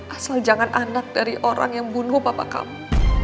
asal jangan anak dari orang yang bunuh bapak kamu